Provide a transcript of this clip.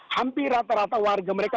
hampir rata rata warga mereka